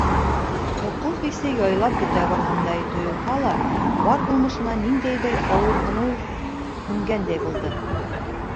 Ҡурҡыу хисе яйлап бөтә барғандай тойолһа ла, бар булмышына ниндәйҙер ауырһыныу һеңгәндәй булды.